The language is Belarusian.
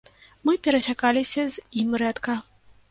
Мы перасякаліся з ім рэдка.